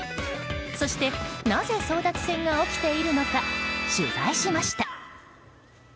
そして、なぜ争奪戦が起きているのか取材しました。